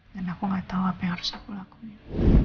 dan aku gak tau apa yang harus aku lakuin